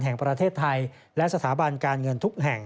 แห่งประเทศไทยและสถาบันการเงินทุกแห่ง